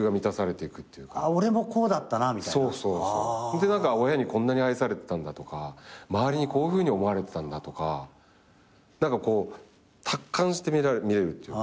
で親にこんなに愛されてたんだとか周りにこういうふうに思われてたんだとかこう達観して見れるっていうか。